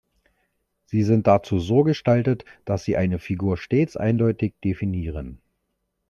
Sie sind dazu so gestaltet, dass sie eine Figur stets eindeutig definieren.